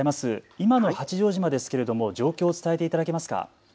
今の八丈島ですけれども状況を伝えていただけますか。